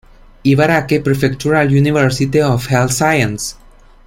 Ibaraki Prefectural University of Health Sciences